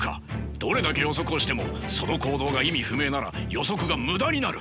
どれだけ予測をしてもその行動が意味不明なら予測が無駄になる。